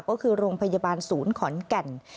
ก็คือโรงพยาบาลศูนย์ขอนแก่น